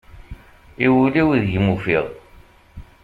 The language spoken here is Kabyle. I wul-iw deg-m ufiɣ.